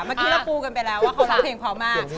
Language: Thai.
เมื่อกี้เราปูกันไปแล้วว่าเขาร้องเพลงพร้อมมาก